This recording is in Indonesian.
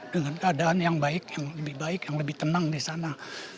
dengan keadaan yang baik yang lebih baik yang lebih tenang di sana